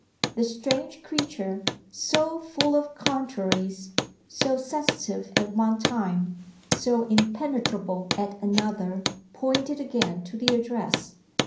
The strange creature, so full of contraries so sensitive at one time, so impenetrable at another pointed again to the address.